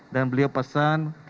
dan beliau pesan